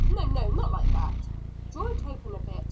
No, no; not like that. Draw it open a bit.